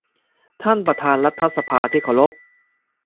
ท่านประธานรัฐสภาที่เคารพ